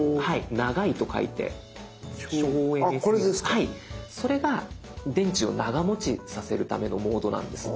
はいそれが電池を長持ちさせるためのモードなんです。